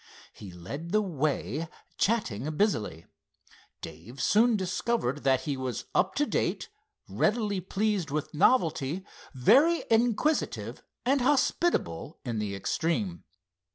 He led the way, chatting busily. Dave soon discovered that he was up to date, readily pleased with novelty, very inquisitive and hospitable in the extreme.